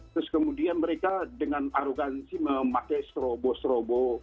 terus kemudian mereka dengan arogansi memakai strobo strobo